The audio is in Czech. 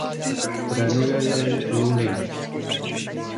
Trénuje jej Lu Ling.